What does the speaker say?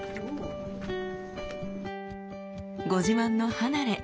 ご自慢の離れ